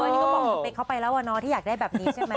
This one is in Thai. นี่ก็บอกสเปคเขาไปแล้วอะเนาะที่อยากได้แบบนี้ใช่ไหม